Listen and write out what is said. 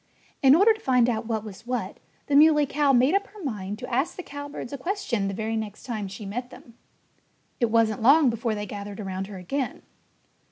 In order to find out what was what, the Muley Cow made up her mind to ask the cowbirds a question the very next time she met them. It wasn't long before they gathered around her again.